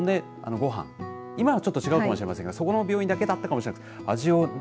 ごはん、今はちょっと違うかもしれませんがそこの病院だけだったかもしれない。